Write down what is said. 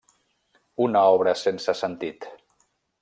Una obra sense sentit.